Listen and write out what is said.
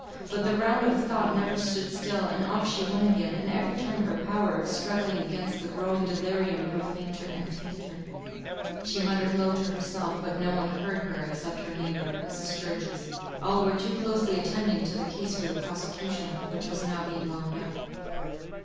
But the round of thought never stood still; and off she went again; and every time her power of struggling against the growing delirium grew fainter and fainter. She muttered low to herself, but no one heard her except her neighbour, Mrs. Sturgis; all were too closely attending to the case for the prosecution, which was now being wound up.